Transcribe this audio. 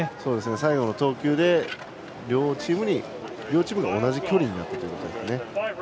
最後の投球で、両チームが同じ距離になった状態ですね。